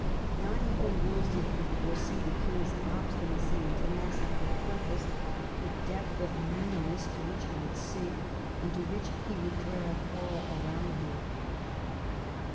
Not even Wolsey could foresee the king's pbstinacy and tenacity of purpose, the depth of meanness to which he would sink, and to which he would drag all around him.